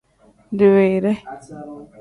Diwiire.